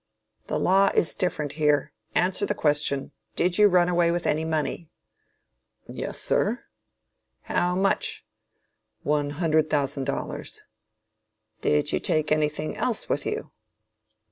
The law is different here. Answer the question. Did you run away with any money? Yes sir. How much? One hundred thousand dollars. Did you take anything else with you?